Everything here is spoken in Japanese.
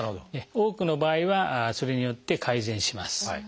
多くの場合はそれによって改善します。